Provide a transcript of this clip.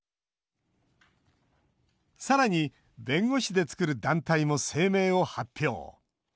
さらに、弁護士で作る団体も声明を発表。